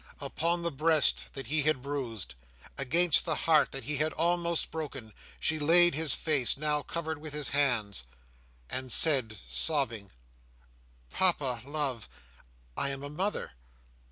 Upon the breast that he had bruised, against the heart that he had almost broken, she laid his face, now covered with his hands, and said, sobbing: "Papa, love, I am a mother.